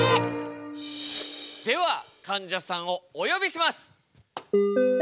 ではかんじゃさんをおよびします。